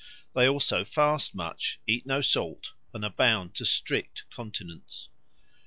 They also fast much, eat no salt, and are bound to strict continence.